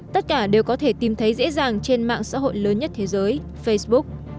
tất cả đều có thể tìm thấy dễ dàng trên mạng xã hội lớn nhất thế giới facebook